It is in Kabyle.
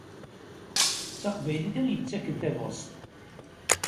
D taqbaylit i ɣ-yettaken tabɣest.